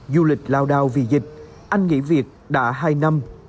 du lịch lao đao vì dịch anh nghỉ việc đã hai năm